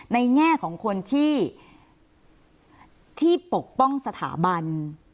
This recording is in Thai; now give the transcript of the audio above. แง่ของคนที่ปกป้องสถาบัน